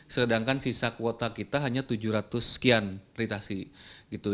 sedangkan sisa kuota kita hanya tujuh ratus sekian ritasi